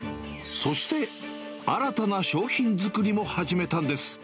そして、新たな商品作りも始めたんです。